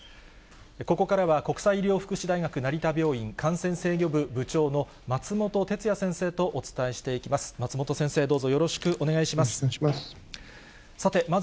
ここからは、国際医療福祉大学成田病院感染制御部部長の松本哲哉先生とお伝えしていきます。